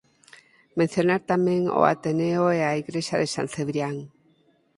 Mencionar tamén o Ateneo e a igrexa de San Cebrián.